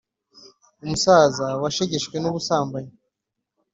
umusaza washegeshwe n’ ubusambanyi.